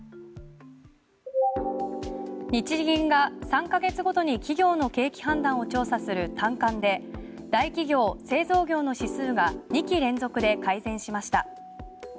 日銀が３ヶ月ごとに企業の景気判断を調査する短観で大企業・製造業の指数が２期連続で改善しました。